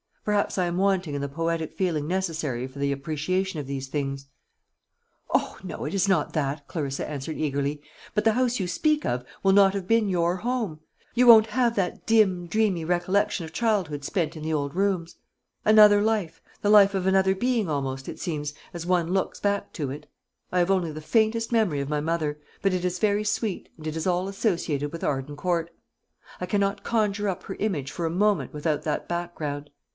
Perhaps I am wanting in the poetic feeling necessary for the appreciation of these things." "O no, it is not that," Clarissa answered eagerly; "but the house you speak of will not have been your home. You won't have that dim, dreamy recollection of childhood spent in the old rooms; another life, the life of another being almost, it seems, as one looks back to it. I have only the faintest memory of my mother; but it is very sweet, and it is all associated with Arden Court. I cannot conjure up her image for a moment without that background.